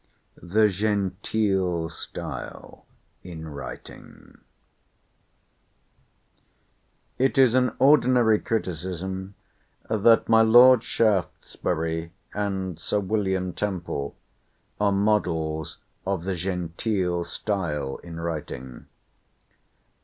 THE GENTEEL STYLE IN WRITING It is an ordinary criticism, that my Lord Shaftesbury, and Sir William Temple, are models of the genteel style in writing.